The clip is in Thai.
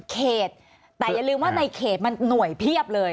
เขตแต่อย่าลืมว่าในเขตมันหน่วยเพียบเลย